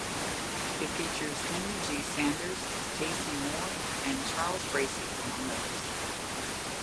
It features Henry G. Sanders, Kaycee Moore, and Charles Bracy, among others.